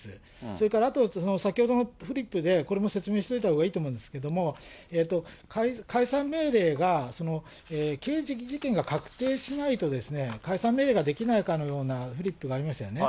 それからあと、その先ほどのフリップで、これも説明しておいたほうがいいと思うんですけれども、解散命令が刑事事件が確定しないとですね、解散命令ができないかのようなフリップがありましたよね。